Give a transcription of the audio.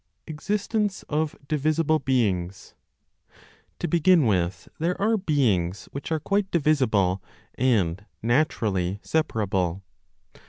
EXISTENCE OF DIVISIBLE BEINGS. To begin with, there are (beings) which are quite divisible and naturally separable.